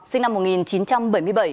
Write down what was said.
sinh năm một nghìn chín trăm bảy mươi bảy